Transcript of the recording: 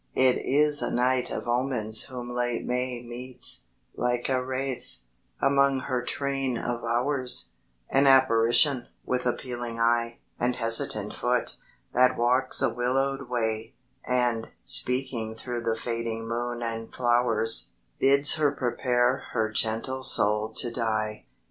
It is a night of omens whom late May Meets, like a wraith, among her train of hours; An apparition, with appealing eye And hesitant foot, that walks a willowed way, And, speaking through the fading moon and flowers, Bids her prepare her gentle soul to die.